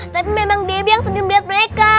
tapi memang debi yang sedih melihat mereka